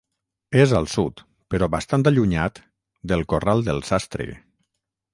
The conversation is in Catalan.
És al sud, però bastant allunyat, del Corral del Sastre.